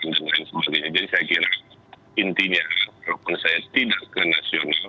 jadi saya kira intinya walaupun saya tidak ke nasional